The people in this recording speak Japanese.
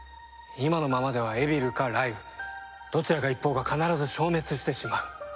今のままではエビルかライブどちらか一方が必ず消滅してしまう。